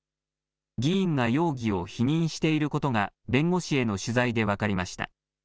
議員が容疑を否認していることが弁護士への取材で分かりました。